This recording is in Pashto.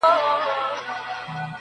• د زلمیو، د پېغلوټو، د مستیو -